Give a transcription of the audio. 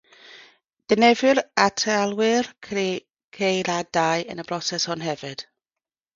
Defnyddir atalwyr ceuladau yn y broses hon hefyd.